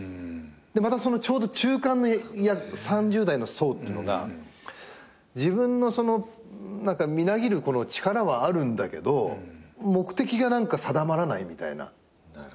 またそのちょうど中間３０代の層ってのが自分のみなぎるこの力はあるんだけど目的が何か定まらないみたいな。